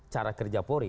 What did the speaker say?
cara kerja polri